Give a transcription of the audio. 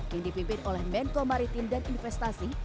yang dipimpin oleh pt kcic